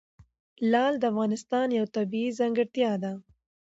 لعل د افغانستان یوه طبیعي ځانګړتیا ده.